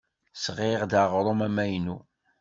Sɣiɣ-d aɣrum amaynu.